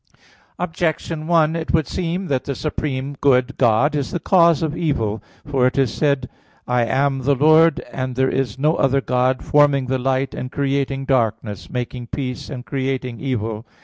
Objection 1: It would seem that the supreme good, God, is the cause of evil. For it is said (Isa. 45:5,7): "I am the Lord, and there is no other God, forming the light, and creating darkness, making peace, and creating evil."